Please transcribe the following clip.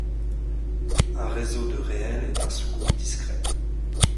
Un réseau de ℝ est un sous-groupe discret.